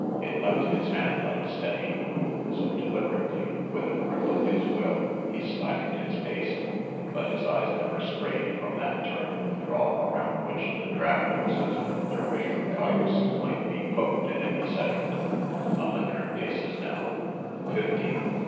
It left his hand unsteady. So, deliberately, with a grip of his will, he slackened his pace; but his eyes never strayed from that turn in the draw around which the drab noses of the Dervisher cayuses might be poked at any second. A hundred paces now! Fifty!